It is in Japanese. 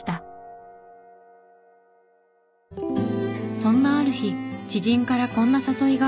そんなある日知人からこんな誘いが。